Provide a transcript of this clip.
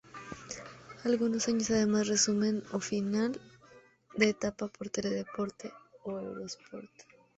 Algunos años además resumen o final de etapa por Teledeporte o Eurosport.